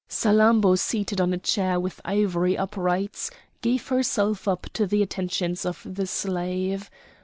Salammbô seated on a chair with ivory uprights, gave herself up to the attentions of the slave.